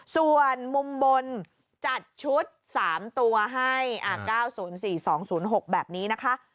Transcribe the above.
ส่วนมุมบนจัดชุด๓ตัวให้๙๐๔๒๐๖แบบนี้นะคะ